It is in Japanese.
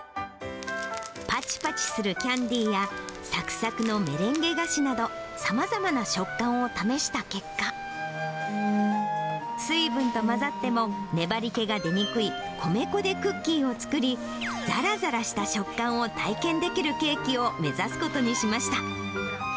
ぱちぱちするキャンディーや、さくさくのメレンゲ菓子など、さまざまな食感を試した結果、水分とまざっても、粘り気が出にくい米粉でクッキーを作り、ざらざらした食感を体験できるケーキを目指すことにしました。